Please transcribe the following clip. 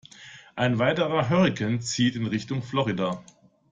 Ein weiterer Hurrikan zieht in Richtung Florida.